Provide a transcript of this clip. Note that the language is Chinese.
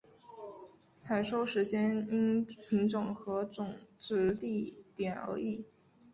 采收时间因品种和种植地点而异。